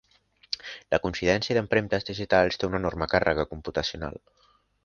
La coincidència d'empremtes digitals té una enorme càrrega computacional.